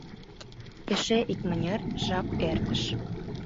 Эше икмыняр жап эртыш.